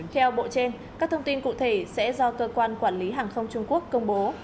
theo bộ trên các thông tin cụ thể sẽ do cơ quan quản lý hàng không trung quốc công bố